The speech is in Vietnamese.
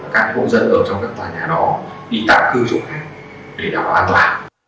các hộ dân ở trong các tòa nhà đó đi tạm cư chỗ khác để đào đoán lại